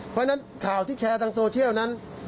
เพราะฉะนั้นข่าวที่แชร์ทางโซเชียลนั้น